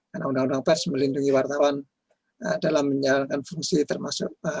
karena undang undang pers melindungi wartawan dalam menjalankan fungsi termasuk